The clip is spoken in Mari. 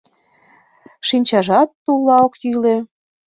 Шинчажат тулла ок йӱлӧ.